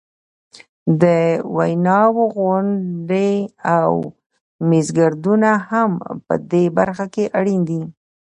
د ویناوو غونډې او میزګردونه هم په دې برخه کې اړین دي.